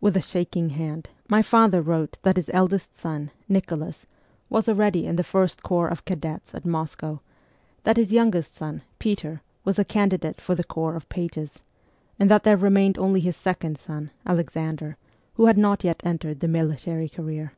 With a shaking hand my father wrote that his eldest son, Nicholas, was already in the first corps of cadets at Moscow ; that his youngest son, Peter, was a candidate for the corps of pages ; and that there remained only his second son, Alexander, who had not yet entered the military career.